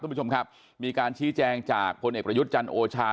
คุณผู้ชมครับมีการชี้แจงจากพลเอกประยุทธ์จันทร์โอชา